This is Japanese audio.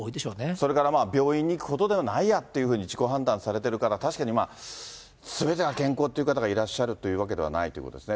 それから、病院に行くほどでもないやっていうふうに、自己判断されてるから、確かにまあ、すべてが健康という方がいらっしゃるというわけではないということですね。